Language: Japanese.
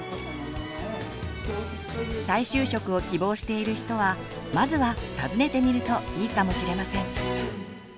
再就職を希望している人はまずは訪ねてみるといいかもしれません。